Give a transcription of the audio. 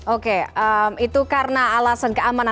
oke itu karena alasan keamanan